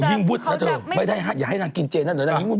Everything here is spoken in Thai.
พี่มากเขาจะเขาจะไม่ได้อย่าให้นางกินเจ๊นั่นหน่อย